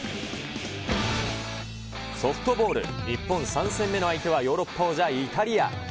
ソフトボール、日本３戦目の相手はヨーロッパ王者、イタリア。